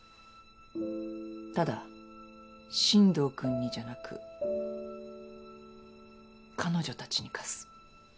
ただ新藤君にじゃなく彼女たちに貸す。